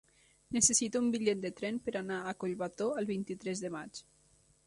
Necessito un bitllet de tren per anar a Collbató el vint-i-tres de maig.